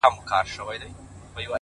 o ما ستا لپاره په خزان کي هم کرل گلونه ـ